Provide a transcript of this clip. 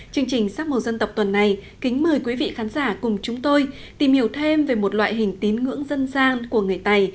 chương trình sắc màu dân tộc tuần này kính mời quý vị khán giả cùng chúng tôi tìm hiểu thêm về một loại hình tín ngưỡng dân gian của người tày